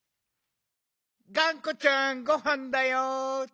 がんこちゃんごはんだよ。